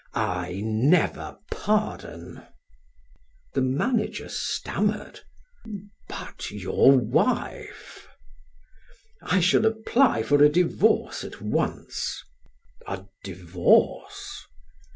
I never pardon." The manager stammered: "But your wife?" "I shall apply for a divorce at once." "A divorce?"